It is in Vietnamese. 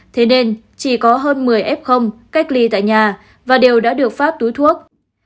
thế nên chỉ có hơn một mươi f cách ly tại nhà và đều đã được phát túi thuốc